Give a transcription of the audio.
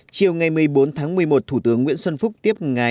chiều ngày một mươi bốn tháng một mươi một thủ tướng nguyễn xuân phúc tiếp tục đề nghị